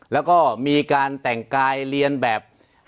แล้วก็มีการแต่งกายเรียนแบบ